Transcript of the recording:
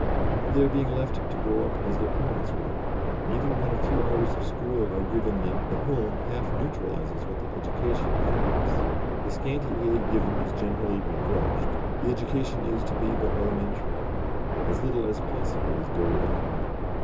But they are being left to grow up as their parents were, and even when a few hours of school are given them the home half neutralises what the education effects. The scanty aid given is generally begrudged, the education is to be but elementary, as little as possible is doled out.